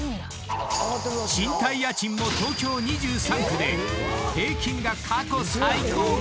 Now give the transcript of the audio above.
［賃貸家賃も東京２３区で平均が過去最高額に］